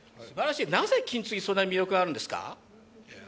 なぜ、金継ぎにそんなに魅力があるんですか？